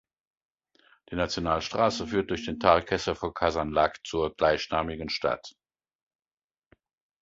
Die Nationalstraße führt durch den Talkessel von Kasanlak zur gleichnamigen Stadt.